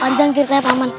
panjang ceritanya paman